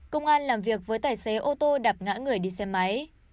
công an làm việc với tài xế ô tô đạp ngã người đi xe máy